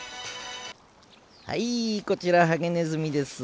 はいこちらハゲネズミです。